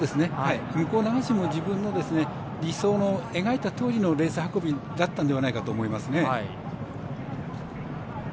向こう流しも自分の理想描いたとおりのレース運びだったんではないかと思いますね。